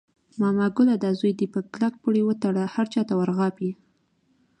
ماما ګله دا زوی دې په کلک پړي وتړله، هر چاته ور غاپي.